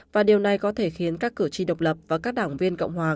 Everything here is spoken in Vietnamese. và điều này có thể khiến các cử tri độc lập và các đảng viên cộng hòa